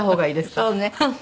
そうね。